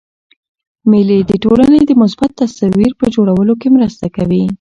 مېلې د ټولني د مثبت تصویر په جوړولو کښي مرسته کوي.